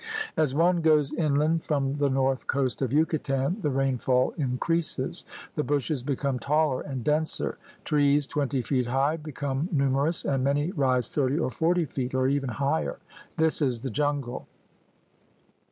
As one goes inland from the north coast of Yucatan the rainfall increases. The bushes become taller and denser, trees twenty feet high become numerous, and many rise thirty or forty feet or even higher. This is the jungle.